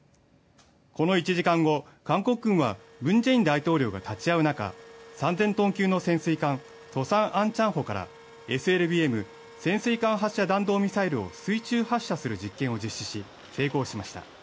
この１時間後、韓国軍はムン・ジェイン大統領が立ち会う中、３０００トン級の潜水艦「トサンアンチャンホ」からＳＬＢＭ＝潜水艦発射弾道ミサイルを水中発射する実験を実施し、成功しました。